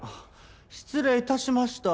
失礼致しました。